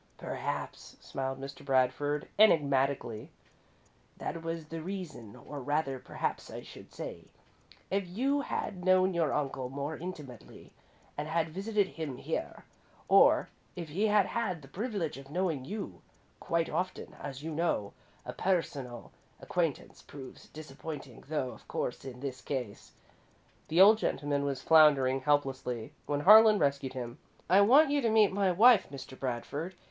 "Perhaps," smiled Mr. Bradford, enigmatically, "that was his reason, or rather, perhaps I should say, if you had known your uncle more intimately and had visited him here, or, if he had had the privilege of knowing you quite often, as you know, a personal acquaintance proves disappointing, though, of course, in this case " The old gentleman was floundering helplessly when Harlan rescued him. "I want you to meet my wife, Mr. Bradford.